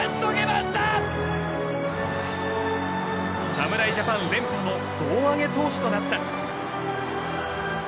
侍ジャパン連覇の胴上げ投手となった。